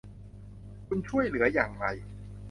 คุณช่วยเหลืออย่างไร